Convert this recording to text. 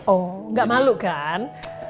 oh gak malu kan